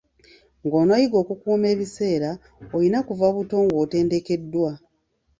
Ng'onooyiga okukuuma ebiseera olina kuva buto ng'otendekeddwa.